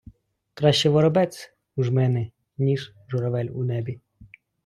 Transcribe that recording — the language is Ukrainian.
Краще воробець у жмени, ніж: журавель у небі.